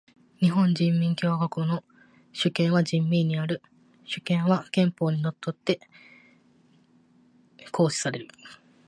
日本人民共和国の主権は人民にある。主権は憲法に則って行使される。